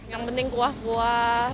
yang penting kuah kuah